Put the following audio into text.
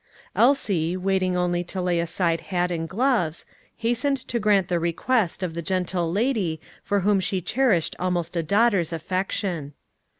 Elsie, waiting only to lay aside hat and gloves, hastened to grant the request of the gentle lady for whom she cherished almost a daughter's affection.